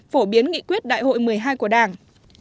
phổ biến nghị quyết đại hội một mươi hai của đảng